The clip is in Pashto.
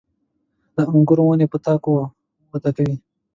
• د انګورو ونې په تاکو وده کوي.